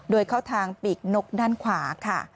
โดยเข้าทางปีกนกด้านขวาค่ะ